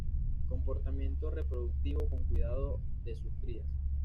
Comportamiento reproductivo con cuidado de sus crías.